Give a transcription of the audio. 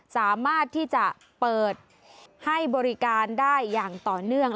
สามารถที่จะเปิดให้บริการได้อย่างต่อเนื่อง